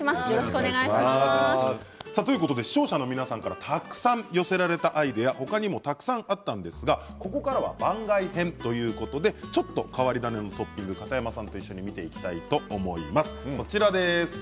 視聴者の皆さんからたくさん寄せられたアイデア他にもたくさんあったんですがここからは番外編ということでちょっと変わり種のトッピングを片山さんと一緒に見ていきたいと思います。